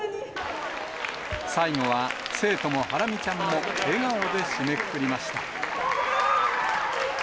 最後は生徒もハラミちゃんも、笑顔で締めくくりました。